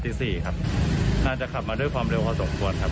สี่ครับน่าจะขับมาด้วยความเร็วพอสมควรครับ